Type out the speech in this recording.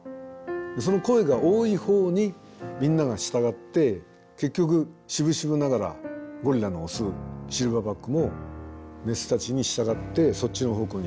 その声が多いほうにみんなが従って結局しぶしぶながらゴリラのオスシルバーバックもメスたちに従ってそっちの方向に行くようになる。